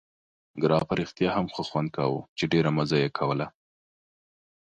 ګراپا رښتیا هم ښه خوند کاوه، چې ډېره مزه یې کوله.